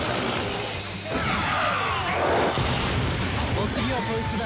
お次はこいつだ。